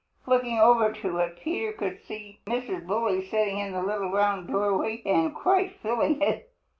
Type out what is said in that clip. Looking over to it, Peter could see Mrs. Bully sitting in the little round doorway and quite filling it.